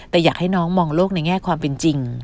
แต่อยากให้น้องมองโลกในแง่ความเป็นจริง